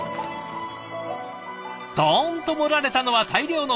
どんと盛られたのは大量のせり！